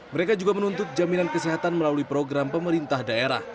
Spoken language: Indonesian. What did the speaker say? mereka juga menuntut jaminan kesehatan melalui program pemerintah daerah